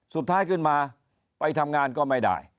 สุดท้ายขึ้นมาไปทำงานก็ไม่ได้